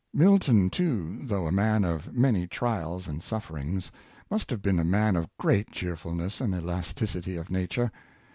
Milton, too, though a man of many trials and suffer ings, must have been a man of great cheerfulness and elacticity of nature.